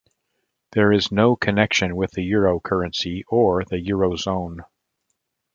There is no connection with the euro currency or the eurozone.